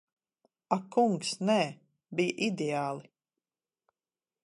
Ak kungs, nē. Bija ideāli.